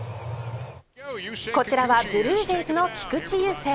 こちらはブルージェイズの菊池雄星。